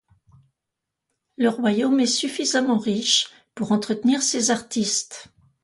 Le royaume est suffisamment riche pour entretenir ses artistes.